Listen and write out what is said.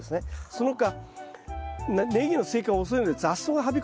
その他ネギの生育が遅いので雑草がはびこってくるんですよね。